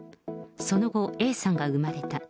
その後、Ａさんが産まれた。